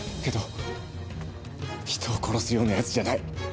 けど人を殺すような奴じゃない！